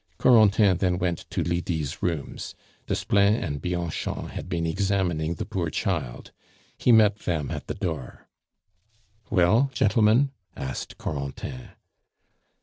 Corentin then went to Lydie's rooms; Desplein and Bianchon had been examining the poor child. He met them at the door. "Well, gentlemen?" asked Corentin.